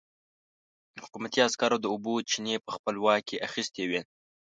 حکومتي عسکرو د اوبو چينې په خپل واک کې اخيستې وې.